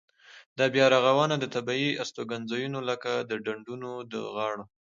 دا بیا رغونه د طبیعي استوګنځایونو لکه د ډنډونو د غاړو.